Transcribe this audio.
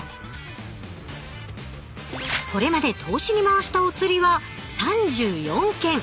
これまで投資に回したおつりは３４件。